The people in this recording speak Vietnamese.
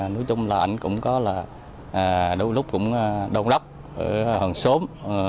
nói chung là anh cũng có là đôi lúc cũng đông đắp ở hàng xóm